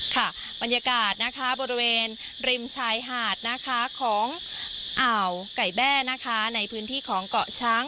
ค่ะบรรยากาศนะคะบริเวณริมชายหาดนะคะของอ่าวไก่แบ้นะคะในพื้นที่ของเกาะช้าง